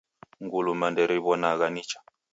Nguluma nderiwonagha nicha